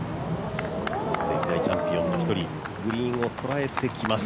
歴代チャンピオンの一人、グリーン上をとらえてきます。